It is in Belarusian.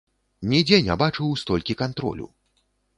Нідзе не бачыў столькі кантролю.